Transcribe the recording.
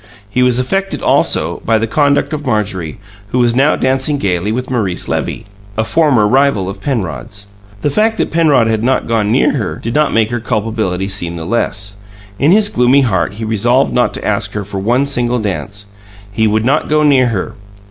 He was affected, also, by the conduct of Marjorie, who was now dancing gayly with Maurice Levy, a former rival of Penrod's. The fact that Penrod had not gone near her did not make her culpability seem the less; in his gloomy heart he resolved not to ask her for one single dance. He would not go near her.